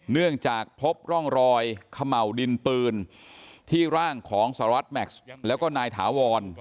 เนื่องจากพบร่องรอยเขม่าวดินปืนที่ร่างของสหรัฐแม็กซ์แล้วก็นายถาวร